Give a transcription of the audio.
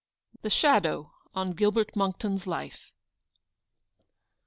THE SHADOW ON GILBERT MONCKTON's LIFE.